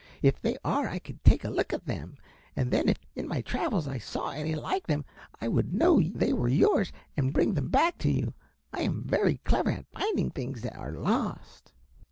If they are I could take a look at them, and then if in my travels I saw any like them I would know they were yours and bring them back to you. I am very clever at finding things that are lost."